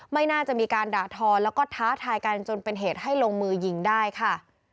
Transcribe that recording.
ไม่น่าจะมีการด่าทอแล้วก็ท้าทายกันจนเป็นเหตุให้ลงมือยิงได้ค่ะ